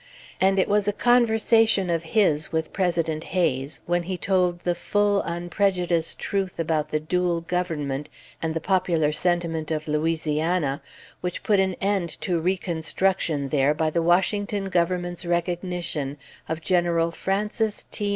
And it was a conversation of his with President Hayes, when he told the full, unprejudiced truth about the Dual Government and the popular sentiment of Louisiana, which put an end to Reconstruction there by the Washington Government's recognition of General Francis T.